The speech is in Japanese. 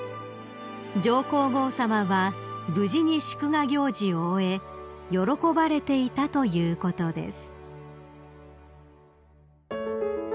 ［上皇后さまは無事に祝賀行事を終え喜ばれていたということです］